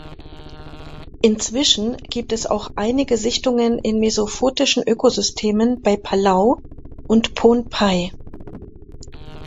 Inzwischen gibt es auch einige Sichtungen in mesophotischen Ökosystemen bei Palau und Pohnpei.